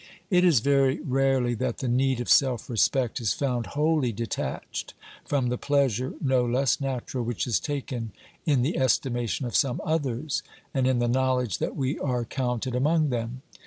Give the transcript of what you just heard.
It is very rarely that the need of self respect is found wholly de tached from the pleasure, no less natural, which is taken in the estimation of some others, and in the knowledge that we are counted among them.